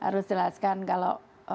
harus jelaskan kalau